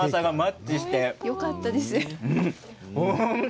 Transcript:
よかったです。